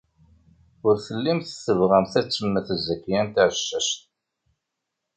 Ur tellimt tebɣamt ad temmet Zakiya n Tɛeccact.